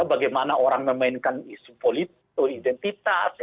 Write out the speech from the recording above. bagaimana orang memainkan isu identitas